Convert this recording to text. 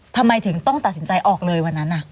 ทำไมถึงต้องตัดสินใจออกเลยวันนั้น